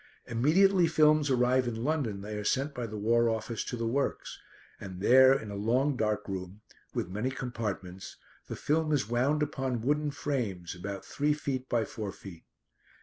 Immediately films arrive in London they are sent by the War Office to the works, and there in a long dark room, with many compartments, the film is wound upon wooden frames, about three feet by four feet.